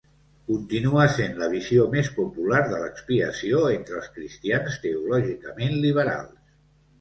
Continua sent la visió més popular de l'expiació entre els cristians teològicament liberals.